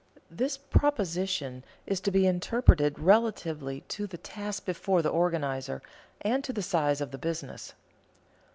_ This proposition is to be interpreted relatively to the task before the organizer, and to the size of the business.